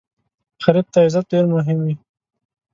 غریب ته عزت ډېر مهم وي